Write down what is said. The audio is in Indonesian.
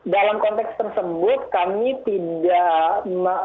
dalam konteks tersebut kami tidak